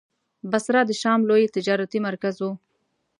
بصره د شام لوی تجارتي مرکز و.